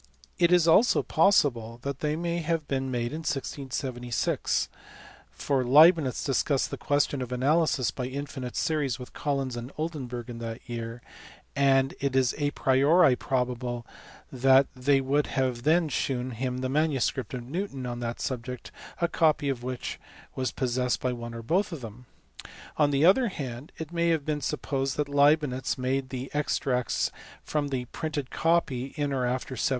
It is also possible that they may have been made in 1676, for Leibnitz discussed the question of analysis by infinite series with Collins and Oldenburg in that year, and it is a priori probable that they would have then shewn him the manuscript of Newton on that subject, a copy of which was possessed by one or both of them. On the other hand it may be supposed that Leibnitz made the extracts from the printed copy in or after 1704.